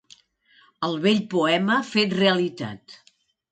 El vell poema fet realitat?